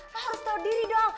lo harus tau diri dong